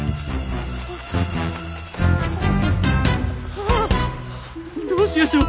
ああっどうしやしょう？